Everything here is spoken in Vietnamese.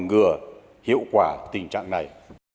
phòng ngừa hiệu quả tình trạng này